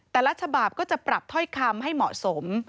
แต่ละฉบับก็จะปรับถ้อยคำให้เหมาะสม